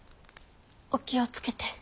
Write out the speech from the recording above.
お気を付けて。